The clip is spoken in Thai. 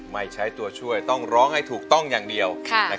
ไม่ใช้ตัวช่วยต้องร้องให้ถูกต้องอย่างเดียว